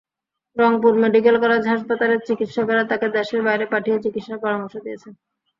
Rangpur medical college হাসপাতালের চিকিৎসকেরা তাঁকে দেশের বাইরে পাঠিয়ে চিকিৎসার পরামর্শ দিয়েছেন।